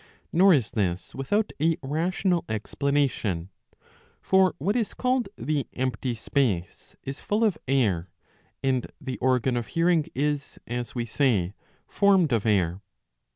Nor is this without a rational explanation. For what is called the empty space is full of air, and the organ of hearing is, as we say, formed of air.